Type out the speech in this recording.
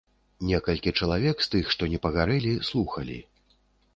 Некалькі чалавек з тых, што не пагарэлі, слухалі.